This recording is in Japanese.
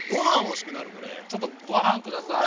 ちょっとご飯下さい！